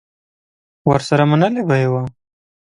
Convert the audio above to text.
ورسره منلې به یې وه